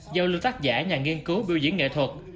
giao lưu tác giả nhà nghiên cứu biểu diễn nghệ thuật